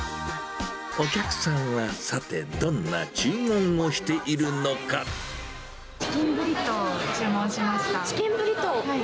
お客さんは、さて、どんな注チキンブリトーを注文しましチキンブリトー？